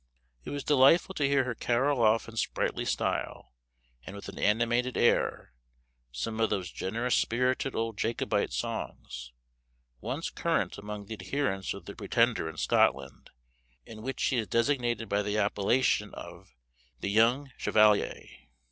It was delightful to hear her carol off in sprightly style, and with an animated air, some of those generous spirited old Jacobite songs, once current among the adherents of the Pretender in Scotland, in which he is designated by the appellation of "The Young Chevalier."